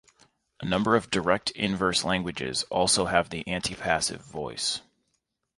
A number of direct-inverse languages also have the antipassive voice.